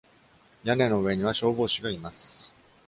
屋根の上には、消防士がいます。